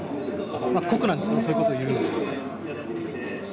酷なんですけどそういう事を言うのは。